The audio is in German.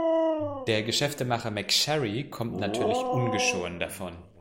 Der Geschäftemacher McSharry kommt natürlich ungeschoren davon.